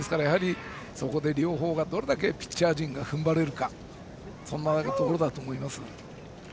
そこで両方がどれだけピッチャー陣が踏ん張れるかそんなところだと思います。